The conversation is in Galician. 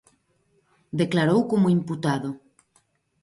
Declarou como imputado.